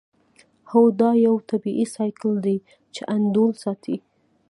هو دا یو طبیعي سایکل دی چې انډول ساتي